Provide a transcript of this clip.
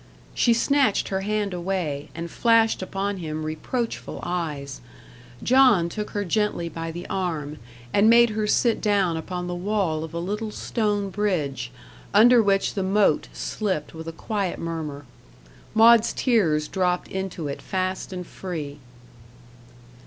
She snatched her hand away, and flashed upon him reproachful eyes. John took her gently by the arm, and made her sit down upon the wall of a little stone bridge, under which the moat slipped with a quiet murmur. Maud's tears dropped into it fast and free.